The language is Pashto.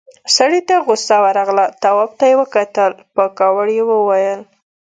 سړي ته غوسه ورغله، تواب ته يې وکتل، په کاوړ يې وويل: